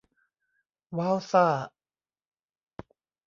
ว้าวซ่า